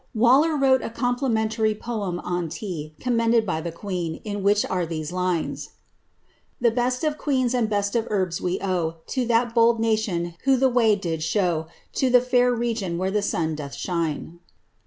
3S Taller wrote a complimentary poem on tea, commended by th en, in which are these lines :—The best of queens and best of herbs we owe To that bold nation who the way did show To the fair region where the sun doth rise."